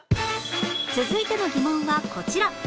続いての疑問はこちら